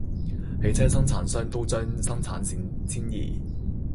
汽車生產商都將生產線遷移